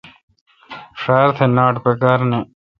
ݭار تھہ ناٹ پکار نہ۔